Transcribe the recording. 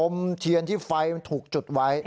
อมเทียนที่ไฟถูกจุดไว้